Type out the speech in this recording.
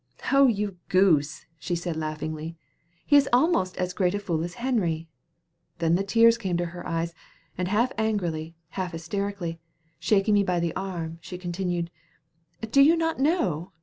"Oh! you goose!" she said, laughingly. "He is almost as great a fool as Henry." Then the tears came to her eyes, and half angrily, half hysterically, shaking me by the arm, she continued: "Do you not know?